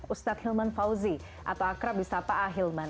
ustadz hilman fauzi atau akrab bisapa ahilman